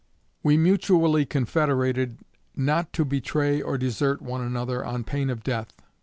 We mutually confederated not to betray or desert one another on pain of death.